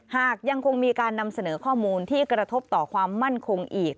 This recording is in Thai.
หากยังคงมีการนำเสนอข้อมูลที่กระทบต่อความมั่นคงอีก